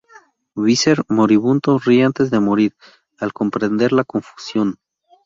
Visser, moribundo, ríe antes de morir, al comprender la confusión.